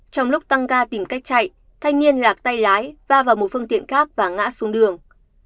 trong lúc tăng ca tìm cách chạy thanh niên lạc tay lái va vào một phương tiện khác và ngã xuống đường